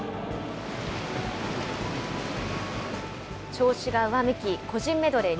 調子が上向き、個人メドレー